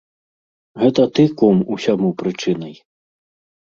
Гэта ты, кум, усяму прычынай!